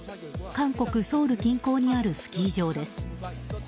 韓国ソウル近郊にあるスキー場です。